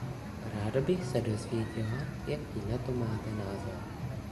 Ráda bych se dozvěděla, jaký na to máte názor.